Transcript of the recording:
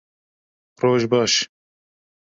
Roj baş